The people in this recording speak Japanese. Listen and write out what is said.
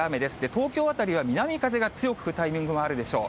東京辺りが南風が強く吹くタイミングもあるでしょう。